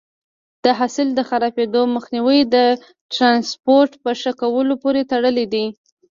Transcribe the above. د حاصل د خرابېدو مخنیوی د ټرانسپورټ په ښه کولو پورې تړلی دی.